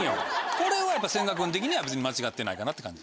これは千賀君的には別に間違ってないかなって感じ？